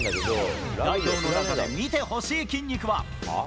代表の中で見てほしい筋肉は。